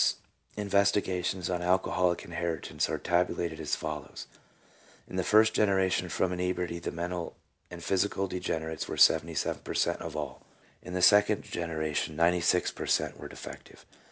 2 1 Dr. Legrain's investigations on alcoholic inheritance are tabulated as follows :— In the first generation from inebriety the mental and physical degenerates were 77 per cent, of all. In the second genera tion 96 per cent." were defective.